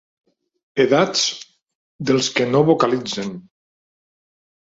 Edats dels que no vocalitzen.